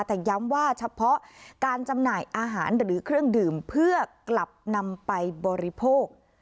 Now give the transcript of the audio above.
แต่ย้ำว่าเฉพาะการจำหน่ายอาหารหรือเครื่องดื่มเพื่อกลับนำไปบริโภค